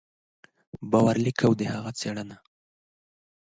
باور لیک او د هغه څېړنه